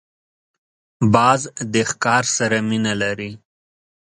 باز د ښکار سره مینه لري